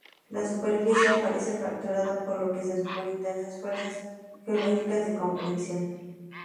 La superficie aparece fracturada por lo que se suponen intensas fuerzas geológicas de compresión.